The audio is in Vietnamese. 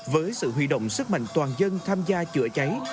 với sự huy động sức mạnh toàn dân tham gia chữa cháy